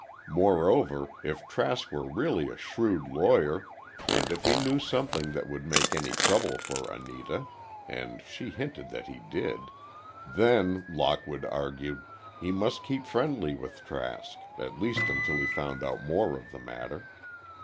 Moreover, if Trask were really a shrewd lawyer, and if he knew something that would make any trouble for Anita—and she had hinted that he did—then, Lockwood argued, he must keep friendly with Trask, at least until he found out more of the matter.